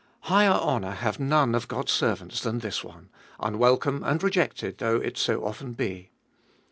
Higher honour have none of God's servants than this one, unwelcome and rejected though it so often be.